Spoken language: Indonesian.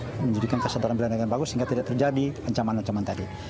dia menjadikan kesadaran bela negara yang bagus sehingga tidak terjadi ancaman ancaman tadi